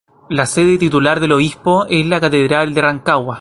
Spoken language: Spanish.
La sede titular del obispo es la catedral de Rancagua.